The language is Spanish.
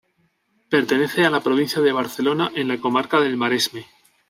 Pertenece a la provincia de Barcelona, en la comarca del Maresme.